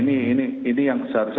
nah ini yang seharusnya